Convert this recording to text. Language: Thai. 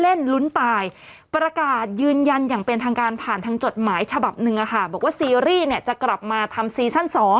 เล่นลุ้นตายประกาศยืนยันอย่างเป็นทางการผ่านทางจดหมายฉบับหนึ่งบอกว่าซีรีส์เนี่ยจะกลับมาทำซีซั่น๒